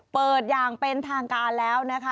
อย่างเป็นทางการแล้วนะคะ